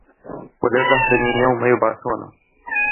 وَلا تُخزِني يَومَ يُبعَثونَ